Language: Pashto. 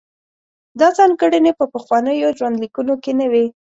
دا ځانګړنې په پخوانیو ژوندلیکونو کې نه وې.